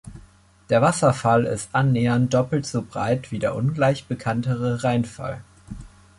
Der Wasserfall ist annähernd doppelt so breit wie der ungleich bekanntere Rheinfall.